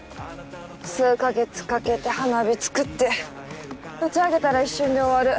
数カ月かけて花火作って打ち上げたら一瞬で終わる。